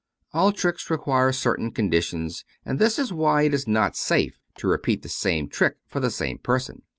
All tricks re quire certain conditions, and this is why it is not safe to repeat the same trick for the same person.